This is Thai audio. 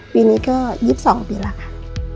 ปีนี้ก็๒๒ปีแล้วค่ะ